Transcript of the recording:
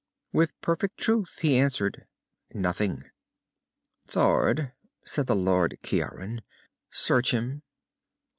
With perfect truth he answered, "Nothing." "Thord," said the Lord Ciaran, "search him."